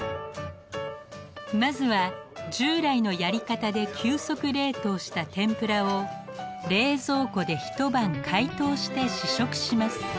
まずは従来のやり方で急速冷凍した天ぷらを冷蔵庫で一晩解凍して試食します。